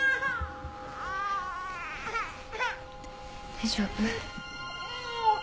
大丈夫？